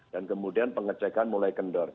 dan kemudian pengecekan mulai kendor